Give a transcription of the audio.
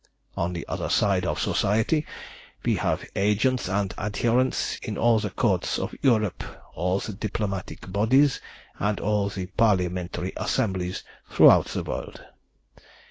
On the other side of Society we have agents and adherents in all the Courts of Europe, all the diplomatic bodies, and all the parliamentary assemblies throughout the world.